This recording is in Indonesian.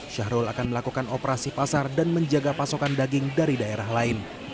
syahrul akan melakukan operasi pasar dan menjaga pasokan daging dari daerah lain